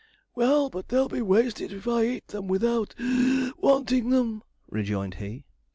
'Well, but they'll be wasted if I eat them without (wheeze) wanting them,' rejoined he.